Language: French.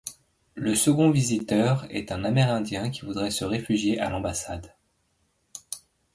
Le second visiteur est un Amérindien qui voudrait se réfugier à l’ambassade.